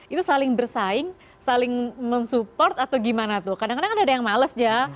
itu saling bersaing saling mensupport atau gimana tuh kadang kadang kan ada yang males ya